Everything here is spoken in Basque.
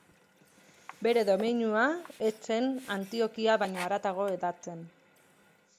Bere domeinua, ez zen Antiokia baino haratago hedatzen.